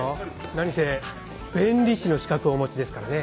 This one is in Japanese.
何せ弁理士の資格をお持ちですからね。